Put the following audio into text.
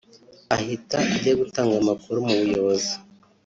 ahita ajya gutanga amakuru mu buyobozi